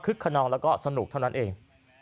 คนนองแล้วก็สนุกเท่านั้นเอง